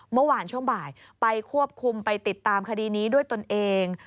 เมื่อวานช่วงบ่ายไปควบคุมไปติดตามคดีนี้ด้วยตนเอง